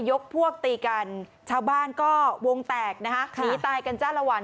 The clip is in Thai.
ยกพวกตีกันชาวบ้านก็วงแตกนะคะหนีตายกันจ้าละวัน